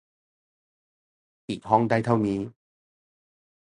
อีกห้องได้เท่านี้